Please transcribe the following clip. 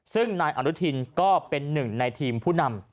ซึ่งนายอนุทินก็เป็นหนึ่งในทีมผู้นำ